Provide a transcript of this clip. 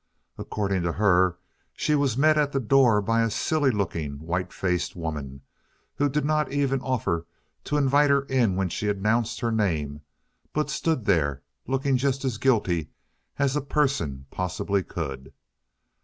According to her, she was met at the door by a "silly looking, white faced woman," who did not even offer to invite her in when she announced her name, but stood there "looking just as guilty as a person possibly could."